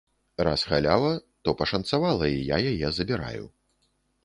Раз халява, то пашанцавала і я яе забіраю.